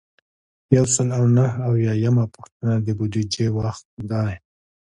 یو سل او نهه اویایمه پوښتنه د بودیجې وخت دی.